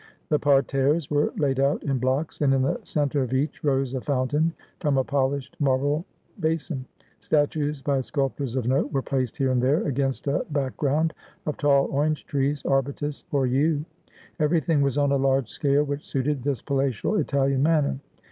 The parterres were laid out in blocks, and in the centre of each rose a fountain from a polished marble basin. Statues by sculptors of note were placed here and there against a back ground of tall orange trees, arbutus, or yew. Everything was on a large scale, which suited this palatial Italian manner.